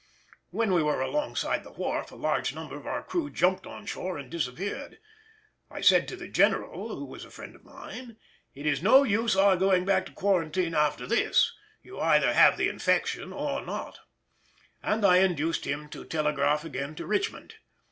When we were alongside the wharf a large number of our crew jumped on shore and disappeared. I said to the General, who was a friend of mine, "It is no use our going back to quarantine after this, you either have the infection or not," and I induced him to telegraph again to Richmond.